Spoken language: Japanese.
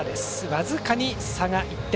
僅かに差が１点。